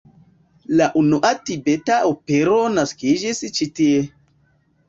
La unua tibeta opero naskiĝis ĉi tie.